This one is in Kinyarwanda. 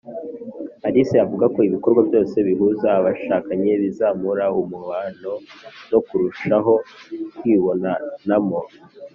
alice avuga ko ibikorwa byose bihuza abashakanye bizamura umubano no kurushaho kwibonanamo.